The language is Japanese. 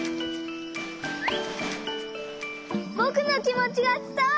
ぼくのきもちがつたわった！